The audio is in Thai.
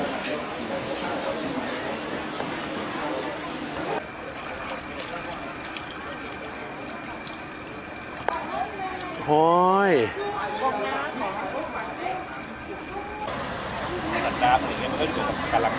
อาหารโหดความฟ้องโหดกุ้งก็มาได้อย่างนี้ครับ